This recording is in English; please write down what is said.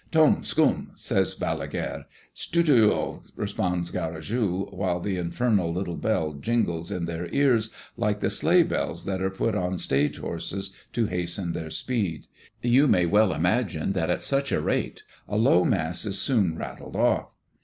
"Dom scum!" says Balaguère. "Stutuo!" responds Garrigou, while the infernal little bell jingles in their ears like the sleigh bells that are put on stage horses to hasten their speed. You may well imagine that at such a rate a Low Mass is soon rattled off.